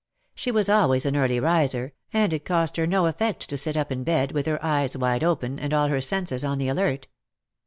She was always an early riser, and it cost her no effect to sit up in bed, with her eyes wide open, and all her senses on the alert.